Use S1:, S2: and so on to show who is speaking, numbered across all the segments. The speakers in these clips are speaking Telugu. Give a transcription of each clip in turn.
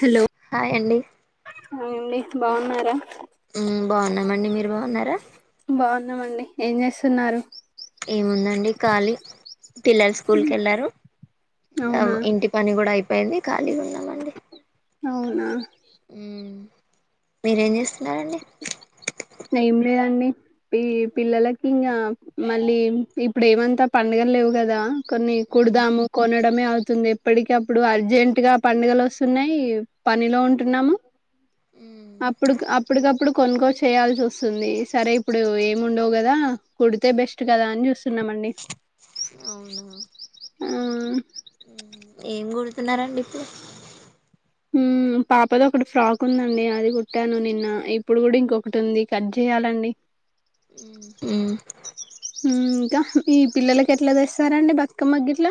S1: హలో
S2: హాయ్ అండి
S1: హాయ్ అండి బాగున్నారా
S2: మ్మ్ బాగున్నమండి మీరు బావున్నారా
S1: ఉన్నమండి ఏం జేస్తున్నారు
S2: ఏముందండి ఖాళీ పిల్లలు స్కూల్కెళ్లారు ఆ
S1: అవునా
S2: ఇంటి పని గూడా అయిపేయింది ఖాళీగ ఉన్
S1: అవునా
S2: మ్మ్ మీరేం జేస్తున్నారండి
S1: ఏం లేదండి ఈ పిల్లలకి ఇంగా మళ్ళీ ఇప్పుడేమంతా పండుగల్లేవ్ గదా కొన్ని
S2: మ్మ్
S1: కుడదాము కొనడమే అవుతుంది ఎప్పడికప్పుడు అర్జెంట్ గా పండుగాలోస్తున్నయ్ పనిలో ఉంటున్నాము
S2: మ్మ్
S1: అప్పుడుక్ అప్పడికప్పుడు కొనుకోచ్చు చేయాల్సి ఒస్తుంది సరే ఇప్పుడు ఏముండవ్ గదా కుడితే బెస్ట్ గదా అని జూస్
S2: అవునా
S1: ఆ
S2: మ్మ్ ఏం గుడుతున్నారండి ఇప్పుడు
S1: హుమ్మ్ మ్మ్ పాపాదొకటి ఫ్రాక్ ఉందండి అది గుట్టాను నిన్న ఇప్పుడు కూడా ఇంకొకటి ఉంది కట్ జేయాలండి
S2: మ్మ్
S1: హుమ్ ఇంకా ఈ పిల్లలకెట్లా దెస్తారండి బతుకమ్మక్ గిట్ల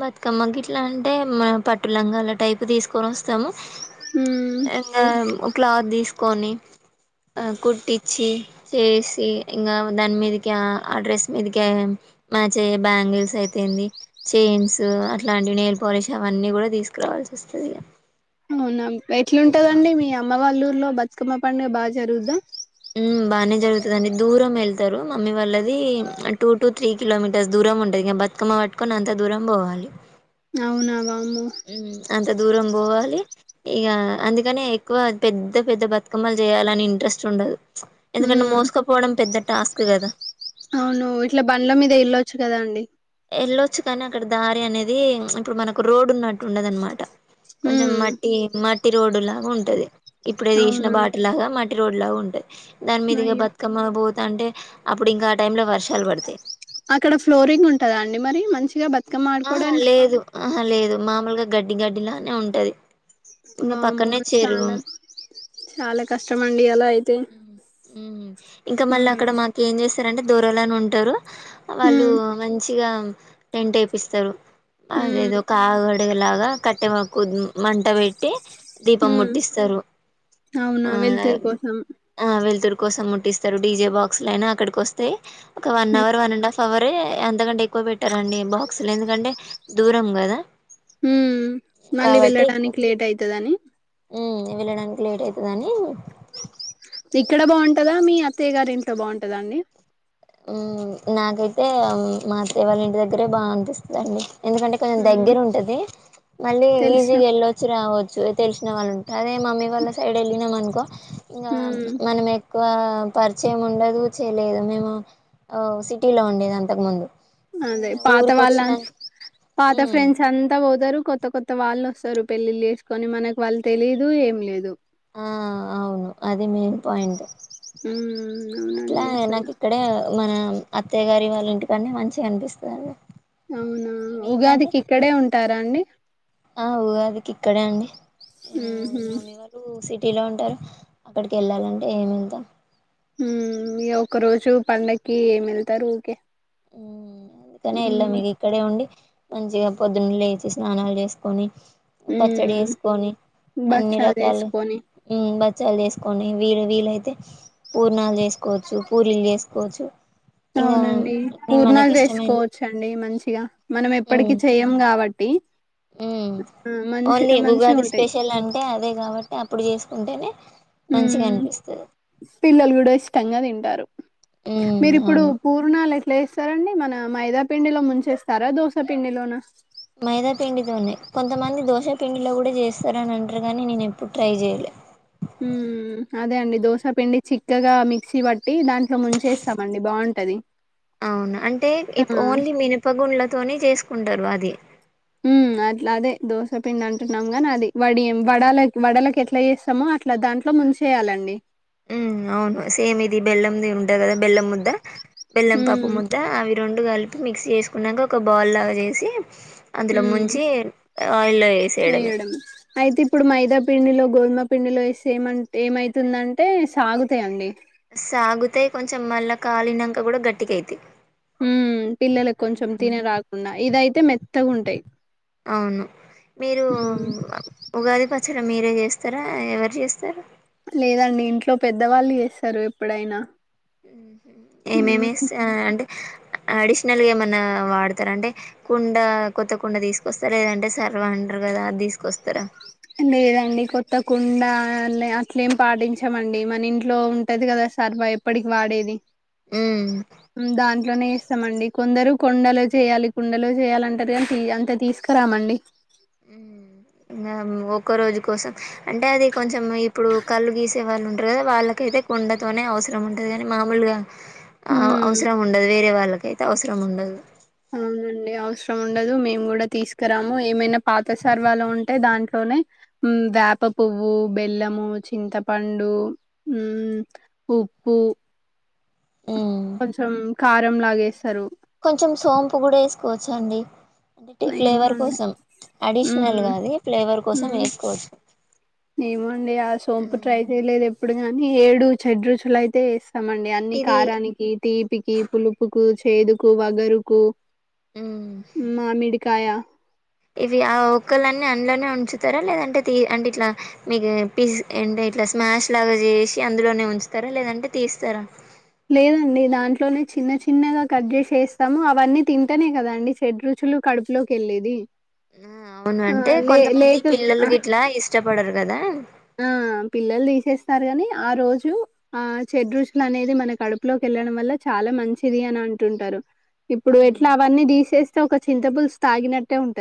S2: బతుకమ్మక్ గిట్లా అంటే మన పట్టు లంగాల టైప్ తీసుకొని ఒస్తాము
S1: హ్మ్
S2: ఇంగా క్లాత్ దీస్కొని ఆ కుట్టిచ్చి చేసి ఇంగ దాని మీదకి ఆ ఆ డ్రెస్ మీదికే మ్యాచయ్యే బ్యాంగిల్స్ అయితేంది చేన్స్ అట్లాంటివి నెల్ పాలిష్ అవన్నీ కూడా తీసుకురావాల్సి ఒస్తదీ ఇగ
S1: అవునా ఎట్లుంటదండి మీ అమ్మ వాళ్ళఊర్లో బతుకమ్మ పండుగ బా జరుగుద్దా
S2: బానే జరుగుతదండి దూరమెళ్తరు మమ్మీ వాళ్ళది టూ టూ త్రీ కిలోమీటర్స్ దూరం ఉంటది ఇగ బ త్కమ్మ పట్టుకొని అంత దూరం బోవాలి
S1: అవునవ
S2: హుమ్ అంత దూరం బోవాలి ఇగ అందుకనే ఎక్కువ పెద్ద పెద్ద బతుకమ్మలు చేయాలని ఇంట్రెస్ట్ ఉండదు ఎందుకంటే
S1: హ్మ్
S2: మోసుకపోవడం పెద్ద టాస్క్ కదా
S1: అవును ఇట్లా బండ్ల మీద వెళ్ళొచ్చు కదా అండి
S2: ఎళ్ళొచ్చు కానీ అక్కడ దారి అనేది ఇప్పుడు మనకు రోడ్ ఉన్నట్టు ఉండదు అనమాట కొంచెం
S1: హ్మ్
S2: మట్టి మట్టి రోడ్డులాగా ఉంటది ఇప్పుడే తీసిన
S1: అవునా
S2: బాట లాగా మ రోడ్ లాగా ఉంటది దాని మీదిగ
S1: అయ్యో
S2: బతుకమ్మ బోతంటే అప్పుడు ఇంకా ఆ టైం లో వర్ష
S1: అక్కడ ఫ్లోరింగ్ ఉంటదా అండి మరి మంచిగా బ
S2: ఆహా లేదు ఆహా లేదు మామలుగా గడ్డి గడ్డిలానే ఉంటది ఇంగ
S1: వామ్మో
S2: పక్కనే చెరువు
S1: చాలా చాలా కష్టమ్ అండి అలా అయితే
S2: ఇంకా మళ్ళీ
S1: హ్మ్
S2: అక్కడ మాక్ ఏం చేస్ స్తారంటే దొరలని ఉంటారు వాళ్ళు
S1: హ్మ్
S2: మంచిగా టెంట్ ఎపిస్తారు
S1: హ్మ్
S2: అదేదో కాగడిగలాగా కట్టె మకుద్ మంటబెట్టి దీపం
S1: హ్మ్
S2: ముట్టిస్తారు
S1: అవునా
S2: ఆ
S1: వెళ్తురు కోసం
S2: ఆ వెళుతురు కోసం ముట్టిస్తారు డీజే బాక్స్ అనా అక్కడికి వస్తె ఒక one
S1: hmm
S2: hour one and half hour ఎ అంతకంటే ఎక్కువ పెట్టారండి బాక్సులు ఎందుకంటే దూరం కదా
S1: ఉమ్ మళ్ళి వెళ్ళడానికి లేట్ అయితదని
S2: ఉమ్ ఇగ వెళ్ళడానికి లేట్ ఐతదాని
S1: ఇక్కడ బాగుంటదా మీ అత్తయ్య గారి ఇంట్లో బాగుంటదా అండి
S2: ఉమ్ నాకైతే మా అత్తయ్య వాళ్ళ ఇంటి దగ్గరే బాగా అనిపిస్తదండి ఎందుకంటే కొంచెం
S1: హ్మ్
S2: దగ్గర ఉంటది మళ్ళీ
S1: తెలిసిన
S2: ఈజీగా వెళ్ళొచ్చు రావచ్చు తెలిసిన వాళ్ళు అదే మమ్మీ వాళ్ళ సైడ్ ఎళ్ళినామ్ అనుకో ఇంగా
S1: హ్మ్
S2: మనమే క్కువ పరిచయం ఉండదు చేయలేదు మేము అ సిటీ లో ఉండేది అంతకు ముందు
S1: అదే పాత వాళ్ళ పాత
S2: మ్మ్
S1: ఫ్రెండ్స్ అంతా పోతారు కొత్త కొత్త వాళ్ళు వస్తారు పెళ్లిళ్ళ చేసుకొని మనకి వాళ్ళు తెలీదు ఏం లేదు
S2: ఆ అవును అది మెయిన్ పాయింట్
S1: ఉమ్
S2: అట్లా నాకిక్కడే మన అత్తయ్య గారి వాళ్ళ ఇంటికన్నే మంచిగ అనిపిస్తదండి
S1: అవునా
S2: మీకండి
S1: ఉగాదికి ఇక్కడే ఉంటారా అండి
S2: ఆ ఊగాదికి ఇక్కడే అండి
S1: ఉహ్మ్
S2: టీలో ఉంటారు అక్కడికి ఎళ్ళాలంటే ఏమి వెళ్తాం
S1: ఉమ్ ఇగ ఒక రోజు పండక్కి ఏం ఎళ్తారు ఊకే
S2: ఉమ్ అందుకనే
S1: హ్మ్
S2: ఎల్లమిగ ఇక్కడే ఉండి మంచిగా పొద్దున్న లేచి స్నానాలు చేసుకొని పచ్చడి
S1: హ్మ్
S2: చేసుకొని అన్ని
S1: భక్షాలు
S2: రకాలు
S1: చేసుకొని
S2: ఉమ్ బ చ్చాలు చేసుకోని వీరు వీలైతే పూర్ణాలు చేసుకోవచ్చు పూరీలు చేసుకోవచ్చు ఇంగా
S1: అవునండి
S2: అన్ని
S1: పూర్ణాలు
S2: మనకి ఇష్టమైన
S1: చేసుకోవచ్చండి మంచిగా మనం
S2: ఉమ్
S1: ఎప్పడికి చెయ్యం కాబట్టి
S2: ఉమ్
S1: ఆ మంచి
S2: ఓన్లీ
S1: మంచిగా
S2: ఉగాది
S1: ఉంటాయి
S2: స్పెషల్ అంటే అదే కాబట్టి అప్పుడు చేసుకుంటేనే మంచిగా
S1: మ్మ్
S2: అనిపిస్త
S1: పిల్లలు కూడా ఇష్టంగా తింటారు
S2: ఉమ్
S1: మీరిప్పుడు
S2: అవును
S1: పూర్ణాల ఎట్లచేస్తారండి మన మైదా పిండిలో ముంచేస్తారా దోసపిండిలోన
S2: మైదా పిండితోనె కొంతమంది దోశ పిండిలో కూడా చేస్ తరని అంటారు గనీ నేను ఎప్పుడు ట్రై చేయలే
S1: ఉ అదే అండి దోశ పిండి చిక్కగా మిక్సీ పట్టి దాంట్లో ముంచేస్తామండి బాగు ఉంటది
S2: అవును అంటే ఇప్ ఓన్లీ మినప గుండ్లతోని చేసుకుంటారు అది
S1: హు మ్ అట్లా అదే దోసపిండి అంటున్నాం గానీ అది వడిం వడాల వడాలకేట్లా చేస్తామో అట్లా దా దాంట్లో ముంచెయ్యాలండి
S2: ఉమ్ అవ్ను సేమ్ ఇది బెల్లంది ఉంటద్ గదా బెల్లం ముద్ద బెల్లం పప్పు
S1: మ్మ్
S2: ముద్ద అవి రొండు కల్పి మిక్స్ చేస్కునంక ఒక బాల్ లాగా చేసి అందులో
S1: మ్మ్
S2: ముంచి ఆయిల్లో ఎసేయడమే
S1: వేయడం అయితే ఇప్పుడు మైదా పండిలో గోద్మ పిండిలో ఎసెమం ఏమైతుందంటే సాగుతాయండి
S2: సాగుతాయ్ కొంచం మళ్ళా కాలినంక గుడా గట్టిగైతైయ్
S1: హు మ్ పిల్లలక్ కొంచం తిన రాకుండా ఇదైతే మెత్తగుంటాయ్
S2: అవును మీరు ఉగాది పచ్చడ మీరే చే స్తారా ఎవర్ జేస్తారు
S1: లేదండి ఇంట్లో పెద్దవాళ్ళు చేస్తారు ఎప్పుడైనా ఉమ్
S2: ఏమేమి ఎస్తె అ అంటే అడిష్నల్గా ఏమన్నా వాడతారా అంటే కుండ కొత్త కుండ తీస్కొస్తార్ లేదంటే సర్వ అంటర్ గద అదీస్కొస్తారా
S1: లేదండి కొత్త కుండ అలె-అట్లేం పాటించామండి మన ఇంట్లో ఉంటదిగ కదా సార్వ ఎప్పటిక్ వాడేది
S2: హు మ్
S1: ఇందులోనే చేస్తామండి కొందరు కుండలో చేయాలి కుండలో చేయాలంటర్ కన్ కి అంత తీస్కురామండి
S2: ఉ ఒక్కో రోజ్ కోసం అంటే అది కొంచం ఇప్పుడు కళ్ళు దీసే వాళ్ళ్ ఉంటార్ గదా వాళ్ళకైతే కుండతో అనె అవ్స్రం ఉంటది కానీ మామూల్గా
S1: ఉమ్
S2: అ-అవ్స్రం ఉండద్ వేరే వాళ్ళకైతే అవ్స్రం ఉండదు
S1: అవ్ నండి అవ్స్రం ఉండదు మేమ్ గూడా తీస్కరాము ఏమైనా పాత సర్వాలు ఉంటే దాంట్లోనే హు మ్ వేప పువ్వు బెల్లము చింతపండు హు మ్ ఉప్పు పు
S2: ఉమ్
S1: కొంచం కారంలాగేస్తారు
S2: కొంచం సోంపు గుడ ఎస్కోచ్చండి అంటే టె
S1: ఏమో
S2: ఫ్లేవర్
S1: అండి
S2: కోసం అడిష్నల్
S1: మ్
S2: గాది ఫ్లేవర్ కోసం
S1: మ్
S2: వేస్కోచ్చు
S1: ఏమోండి ఆ సోంపు ట్రై చెయ్లేదు ఎప్పుడు గానీ ఏడు చెడ్ రుచులైతే ఏస్ మండి అన్ని
S2: ఇది
S1: కారానికి, తీపికి, పులుపుకు, చేదుకు, వగరుకు
S2: మ్
S1: కాయా
S2: ఇవి ఆ ఒక్కళన్నీ అన్లనే ఉంచుతారా లేదంటే అంటిట్లా మీకు పిస్ అండ్ ఇట్లా స్మాష్ లాగా చేసి అందులోనే ఉంచ్తారా లేదంటే తీస్తారా
S1: లేదండి దాంట్లోనే చిన్న చిన్నగా కట్ జేసేస్తాము అవన్నీ తింటనే కదాండి షేడ్ రుచు లు కడ్పులోకెళ్ళేది
S2: అ అవును అంటే కొంతమంది
S1: ఆహ్,
S2: పిల్లలుగిట్లా ఇష్టపడరు గదా
S1: ఆ పిల్లల్ తీసేస్తారు గని ఆ రోజు ఆ చెడ్ రుచుల్ అనేది మన కడుపులోకె ళ్ళడం వల్ల చాలా మంచిది అన్ అంటుంటారు ఇప్పుడు ఎట్లా అవన్నీ తీసేస్తే ఒక చింతపుల్స్ తాగినట్టే ఉంటు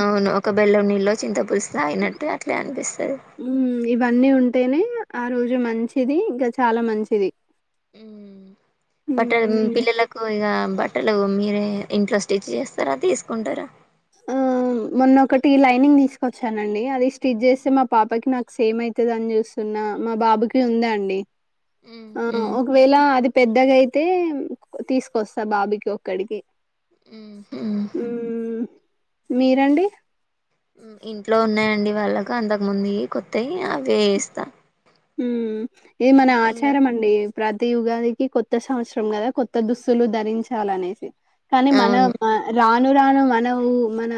S2: అవ్ను ఒక బెల్లం నీల్లో చింతపుల్స్ తగినట్టే అట్లే అన్పిస్తది
S1: హ్మ్. ఇవన్నీ ఉంటేనే ఆ రోజు మంచిది ఇంకా చాలా మంచిది
S2: హు మ్ బట్టలో
S1: హ్మ్.
S2: పిల్లలకు ఇగ బట్టలు మీరే ఇంట్లో స్టిచ్ చేస్తారా తీస్కుంటారా
S1: ఆ అ మొన్నొకటి లైనింగ్ తీస్కొచ్చానండి అది స్టిజేస్తే మా పాపకి నాక్ సేమ్ ఐతధన్ చూస్ న్న మా బాబుకి ఉందాండి
S2: మ్,
S1: ఆ
S2: మ్,
S1: ఒకవేళ అది పెద్దగైతే తీస్కొస్తా బాబుకి ఒక్కడికి
S2: మ్ హుమ్
S1: మ్మ్ మీరండి
S2: హు మ్ ఇంట్లో ఉన్నాయండి వాళ్ళకు అంతక్ముందుయి కొత్తయ్ అవేస్తా
S1: హుమ్ ఇది మన ఆచారమండి ప్రతి ఉగాదికి కొత్త సంవత్సరం కదా కొత్త దుస్తులు ధరించాలనేసి కానీ మన
S2: అవును
S1: మ రా రానురాను మనవు మన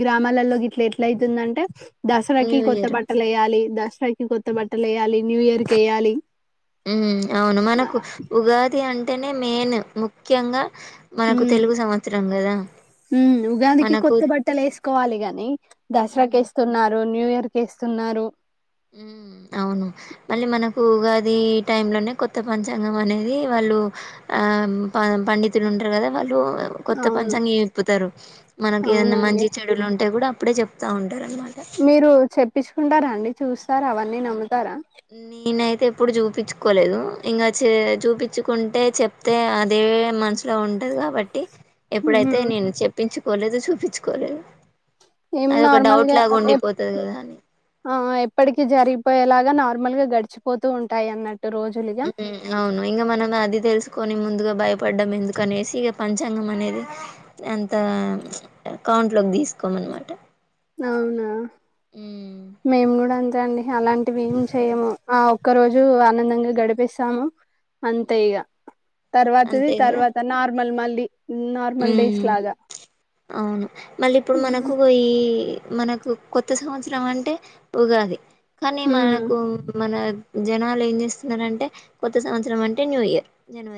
S1: గ్రామాలలో గిట్లెట్లైతుందంటే దసరాకి
S2: న్యూ
S1: కొత్త
S2: ఇయర్
S1: బట్టలేయాలి దసరాకి కొత్త బట్టలేయాలి న్యూ ఇయర్ కేయ్యాలి
S2: మ్ అవును మనకు ఉగాది అంటేనే మెయిన్ ముఖ్యంగా మనకు తెలుగు సంవత్సరం కదా
S1: హుమ్ ఉగాదికి
S2: మనకు
S1: కొత్త బట్టలేసుకోవాలి గాని
S2: మ్,
S1: దసరాకేస్తున్నారు న్యూ ఇయర్ కేస్తున్నారు
S2: హుమ్ అవును మళ్ళీ మనకు ఉగాది టైమ్ లోనే కొత్త పంచాంగం అనేది వాళ్ళు ఆ పం పండితులు ఉంటరు కదా వాళ్ళు కొత్త
S1: అవును
S2: పంచంగం ఇప్పుతారు మనకి ఏదైనా
S1: అవునండి
S2: మంచి చెడులు ఉంటే కూడా అప్పుడేజెప్త ఉంటారన్నమాట
S1: మీరు చెప్పించుకుంటారండి చూస్తారావన్నీ నమ్ము
S2: నేనైతే ఎప్పుడు చూపించుకోలేదు ఇంగ చే చూపించుకుంటే చెప్తే అదే మనస్ లో ఉంటదిగాబట్టి ఎప్పుడైతే
S1: ఉమ్.
S2: నేను చెప్పించుకోలేదు చూపించుకోలేదు
S1: మేము నార్మల్గా
S2: గదా అని.
S1: ఆ-ఆ ఎప్పటికి జరిగిపోయేలాగా గ నార్మల్గా గడిచిపోతూ ఉంటాయన్నట్
S2: హు మ్ అవును ఇంగ మనమది తెలుసు కొని ముందుగా భయపడ్డం ఎందుకనేసి ఇగ పంచాంగం అనేది అంత అకౌంట్లోకి తీసుకోమనమాట
S1: అవునా మేమ్గుడ అంతెండి అలాంటివి ఏం చెయ్ము ఆ ఒక్క రోజు ఆనందంగా గడిపిస్తాము అంతే
S2: హ్మ్
S1: ఇగ తర్వాతది తర్వాత నార్మల్ మళ్ళీ నార్మల్ డేస్
S2: మ్మ్
S1: లాగా
S2: అవును మళ్ళిప్పుడు
S1: ఉమ్
S2: మనకు ఈ మనకు కొత్త సంవత్సరం అంటే ఉగాది కానీ
S1: ఉమ్
S2: మనకూ మన జనాలు ఏంజేస్తున్నారంటే కొత్త సంవత్సరం అంటే new year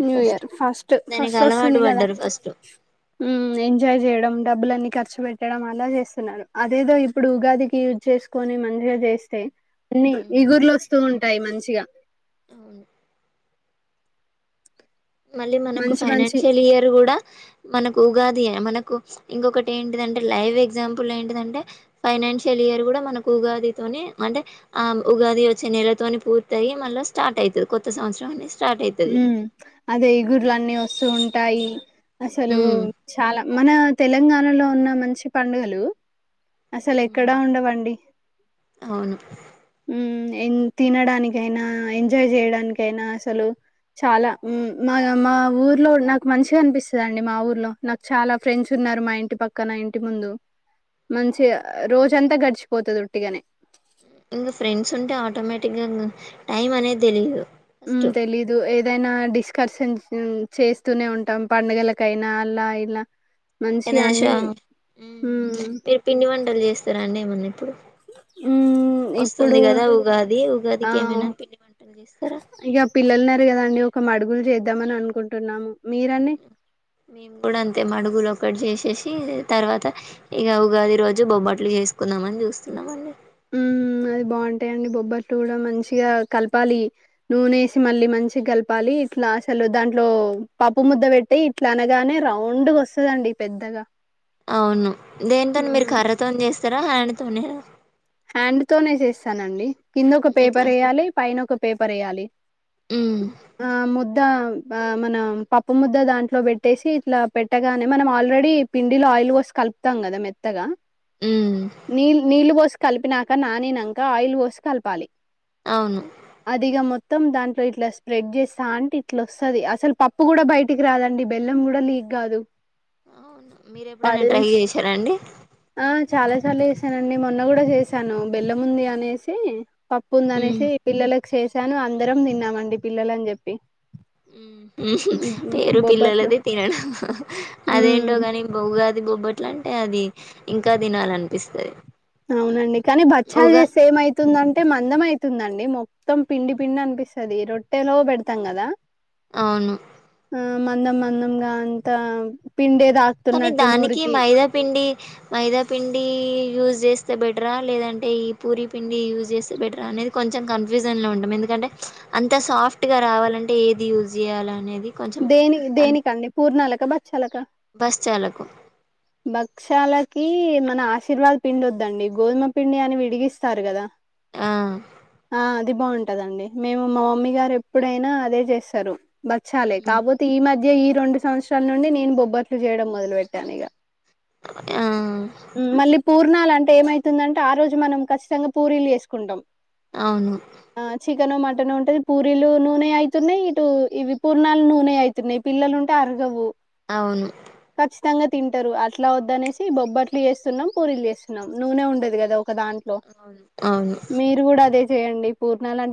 S1: new year first
S2: దానికి అలవాటు
S1: ఫస్టోస్తుంది కదా
S2: పడ్డారు ఫస్ట్
S1: హుమ్ ఎంజాయ్ చేయడం డబ్బులన్ని ఖర్చు వెట్టడం అన్ని చేస్తున్నారు అదేదో ఇప్పుడు ఉగాదికి యుస్ చేసుకొని మంచిగ్చేస్తే అన్ని ఈగుర్లోస్తూ ఉంటాయి మంచిగా
S2: అవును మళ్ళీ మనకు
S1: మంచి మంచి
S2: ఫైనాన్షియలియర్ కూడా మనకు ఉగాది ఏ మనకు ఇంకొకటి ఏంటిదంటే లైవ్ ఎగ్జాంపుల్ ఏంటిదంటే ఫై ఫైనాన్షియలియర్ కూడా మనకు ఉగాదితో అంటే ఆ ఉగాది వచ్చే నెలతో పూర్తయి మళ్ళ స్ట స్టాటైతది కొత్త సంవత్సం అనెస్
S1: హుమ్ అది ఈగుర్లు అన్ని వస్తూ ఉంటాయి అసలు
S2: ఉమ్
S1: చాలా మన తెలంగాణలో ఉన్న మంచి పండుగలు అసలెక్కడా ఉండవండి
S2: అవును
S1: హుం తినడానికైనా ఎంజాయ్ జేయడానికైనా అసలు చాలా మ్ మా-మా ఊర్లో నాకు మంచిగనిపిస్తదండి మా ఊర్లో నాకు చాలా ఫ్రెండ్స్ న్నారు మా ఇంటి పక్కన ఇంటి ముందు మంచిగా రోజంతా గడిచిపోతది ఉట్టిగానే
S2: ఇంగా ఫ్రెండ్స్ ఉంటే ఆటోమేటిక్గా టైమ్ అనేది తెలీయదు
S1: మ్ తెలీదు ఏద్ ఏదైనా డిస్కర్షన్ చేస్తూనే ఉంటాం పండగలకైనా అలా ఇలా మంచిగా
S2: ఏదైనా
S1: అన్ని
S2: ష
S1: మ్మ్
S2: మీరు పిండి వంటలు చేస్తారా అండి ఏమన్నా ఇప్పుడు
S1: ఉమ్మ్
S2: వొస్తుంది గదా ఉగాది
S1: ఆ
S2: ఉగాదికి ఏమైనా పిండి వంటలు జేస్తారా
S1: ఇగ పిల్లల్ఉన్నార్ కదఅండి ఒక మడుగులు చేద్దామని అనుకుంటున్నాము మీరండి
S2: మేమ్ కూడ అంతే మడుగులో ఓక్కటి చేసేసి తర్వత ఇగ ఉగాది రోజు బొబట్లు చేసుకుందామని చూస్తున్నం అండి
S1: మ్మ్మ్ ఏ అది బాగుంటాయిండి బొబ్బట్లుగుడ మంచిగా కలపాలి నూనె ఏసి మళ్ళీ మంచిగ గలపాలి ఇట్లా అసలు దాంట్లొ పప్పు ముద్ద పెట్టి ఇట్ల అనగానే రౌండ్గ వస్తదండి పెద్దగ
S2: అవును దేనితోని మీరు కర్రతోని చేస్తారా హండ్ తోనేనా
S1: హ్యాండ్ తోనే చేస్తానండి కింద ఒక
S2: ఇట్లా
S1: పేపర్ ఏయ్యాలి పైన ఒక పేపర్ ఏయ్యాలి
S2: ఉమ్
S1: దా ఆ మన పప్పు ముద్ద దాంట్లొ పెట్టేసి ఇట్ల పెట్టగానే మనం ఆల్రెడీ పిండిల ఆయిల్ పోసి కలుపుతాం కద మెత్తగా
S2: ఉమ్
S1: నీ నీళ్లు పోసి కలిపినక నానీనంక ఆయిల్ పోసి కలపాలి
S2: అవును
S1: అది ఇగ మొ త్తం దాంట్లొ ఇట్ల స్ప్రెడ్ చేస్తాంటే ఇట్ల ఓస్తది అసలు పప్పు కూడ బయటికి రాదండి బెల్లం కూడ లీక్ గాదు
S2: అవును మీర్ ఎప్పుడైన ట్రై చేశారాండి
S1: చాలసార్లు చేసానండి మొన్న కూడ చేసాను బెల్లంముంది అనేసి పప్పు
S2: ఉమ్
S1: ఉందిఅనేసి పిల్లలలకు చేశాను అందరం తిన్నామండి పిల్లలు అని చెప్పి
S2: ఉం ఉహ్ పేరు
S1: బొబ్బట్లు
S2: పిల్లలది తినడం
S1: ఉమ్
S2: అదేంటో కాని ఉగాది బొబ్బట్ ఎట్లఅంటె అది ఇంకా తినాలనిపిస్తది
S1: అవునండి కానీ బచ్చలు
S2: ఉగా
S1: చేస్తే ఏమైతుందంటే మందం అయిత్ తుందండి మొత్తం పిండి పిండి అనిపిస్తది రొట్టెలో పెడతం కదా
S2: అవును
S1: ఆ మందం మందంగ అంతా పిండే తాకుతున్నట్టు నోరికి
S2: మైదాపిండి యూస్ చేస్తే బెటరా లేదంటే ఈ పూరి పిండి యూస్ చేస్తే బెటరా అనేది క కొంచెం కన్ఫ్యూజన్లో ఉంటాం ఎందుకంటే అంత సాఫ్ట్గ్ రావాలంటే ఏది యూస్ చేయాల అనేది కొంచెం
S1: దేని దేనికండి పూర్ణాలక బచ్చలక
S2: బస్చాలకు
S1: భక్షాలకి మన ఆశీర్వాద్ పిండి ఓద్దండి గోధుమ పిండి అని విడిగిస్తార్ గద
S2: ఆ
S1: ఆ అదె బాగుంటదండి మేము మా మమ్మీ గారు ఎప్పుడైన అదే చేస్తరు బచ్చాలే కాపోతే ఈ మ ద్య ఈ రెండు సంవత్సరాల నుండి నేన్ బొబ్బట్లు చెయడం మొదలుపెట్టాను ఇగ
S2: ఆ
S1: ఉమ్ మళ్ళీ పూర్ ర్నాలంటే ఏమైతుందంటే ఆ రోజు మనం ఖచ్చితంగా పూరీలు చేసుకుంటం
S2: అవును
S1: చికెన్ మటన్ ఉంటంది పూరీలు నూనె ఐతున్నయ్ ఇటు ఇవి పూర్ణాలు నూనె ఐతున్నయ్ పిల్లలు ఉంటే అరగవు
S2: అవును
S1: చ్చితంగా తింటరు అట్ల ఒద్దుఅనేసి బొబ్బట్లు చేస్తున్నాం పూరీలు చేస్తున్నాం నూనె ఉండదు గదా ఒక దాంట్లొ
S2: అవును
S1: మీరు గూడ అదే చెయ్యండి పూర్ణలంటే